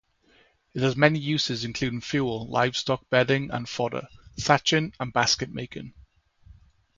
It has many uses, including fuel, livestock bedding and fodder, thatching and basket-making.